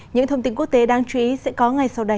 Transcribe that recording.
những thông tin quốc tế đáng chú ý sẽ có ngay sau đây